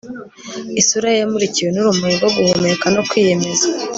Isura ye yamurikiwe nurumuri rwo guhumeka no kwiyemeza